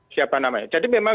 siapa namanya jadi memang